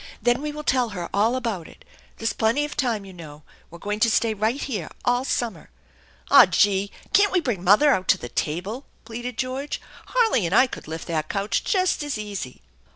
Then we will tell her all about it. There's plenty of time, you know. We're going to stay right here all summer." "Aw, gee! Can't we bring mother out to the table ?" pleaded George. "Harley and I could lift that couch just as easy."